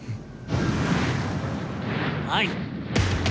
「はい！」。